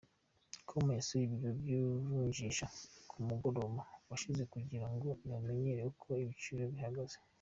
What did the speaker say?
com yasuye ibiro by'ivunjisha ku mugoroba washize kugira ngo ibamenyere uko ibiciro bihagaze.